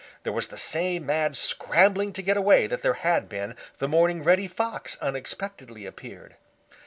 There was the same mad scrambling to get away that there had been the morning Reddy Fox unexpectedly appeared.